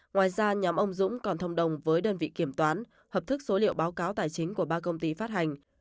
ngoài ra nhóm ông dũng còn thông đồng với đơn vị kiểm toán hợp thức số liệu báo cáo tài chính của ba công ty phát hành